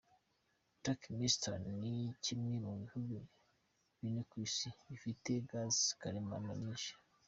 Turkmenistan ni kimwe mu bihugu bine ku isi bifite gaz karemano nyinshi.